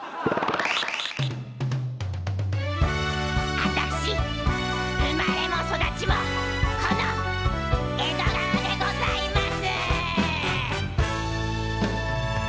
あたし生まれも育ちもこの江戸川でございます。